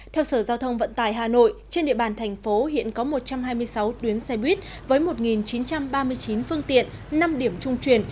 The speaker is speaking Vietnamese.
theo sở giao thông vận tải hà nội trên địa bàn thành phố hiện có một trăm hai mươi sáu tuyến xe buýt với một chín trăm ba mươi chín phương tiện năm điểm trung truyền